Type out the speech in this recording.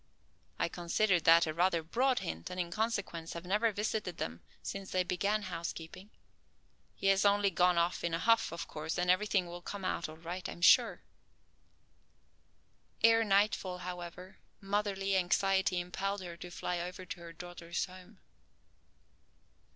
I considered that a rather broad hint, and in consequence have never visited them since they began housekeeping. He has only gone off in a huff, of course, and everything will come out all right, I am sure." Ere nightfall, however, motherly anxiety impelled her to fly over to her daughter's home.